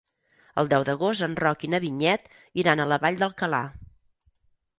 El deu d'agost en Roc i na Vinyet iran a la Vall d'Alcalà.